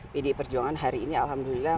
pdi perjuangan hari ini alhamdulillah